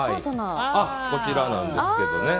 こちらなんですけどね。